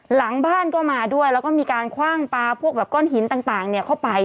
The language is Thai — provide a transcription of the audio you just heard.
หลังบ้านก็มาด้วยแล้วก็มีการคว่างปลาพวกแบบก้อนหินต่างเข้าไป